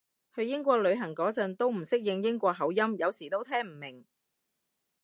去英國旅行嗰陣都唔適應英國口音，有時都聽唔明